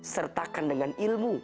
sertakan dengan ilmu